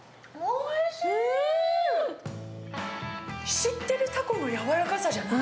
知ってるタコの柔らかさじゃない。